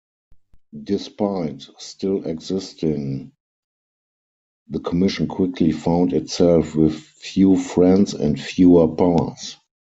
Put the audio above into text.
Despite still existing, the Commission quickly found itself with few friends and fewer powers.